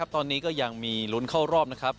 ตอนนี้ยังมีลุ้นเข้ารอบ